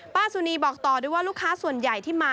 สุนีบอกต่อด้วยว่าลูกค้าส่วนใหญ่ที่มา